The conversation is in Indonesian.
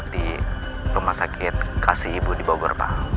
dan biasanya berobat di rumah sakit kasih ibu di bogor pak